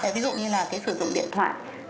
ví dụ như là cái sử dụng điện thoại